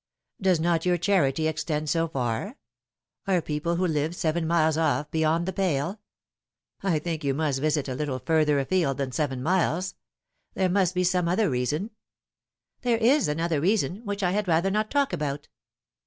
" Does not your charity extend so far ? Are people who live seven miles off beyond the pale ? I think you must visit a little further afield than seven miles. There must be some other reason." " There is another reason, which I had rather not talk about."